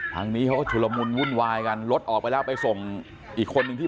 ทางนี้เขาก็ชุลมุนวุ่นวายกันรถออกไปแล้วไปส่งอีกคนนึงที่